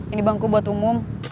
ini bangku buat umum